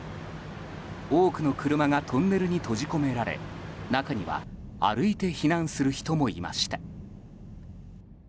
多くの車がトンネルに閉じ込められ中には歩いて避難する人もいました。